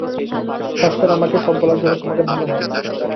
সাহস করে আমাকে সব বলার জন্য তোমাকে ধন্যবাদ।